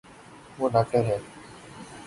وہ داکٹر ہے